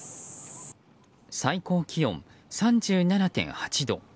最高気温３７．８度。